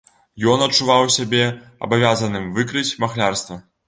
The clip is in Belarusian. Ён адчуваў сябе абавязаным выкрыць махлярства.